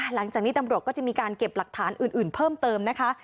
หลังจากนี้ตำรวจก็จะมีการเก็บหลักฐานอื่นเพิ่มเติมนะคะ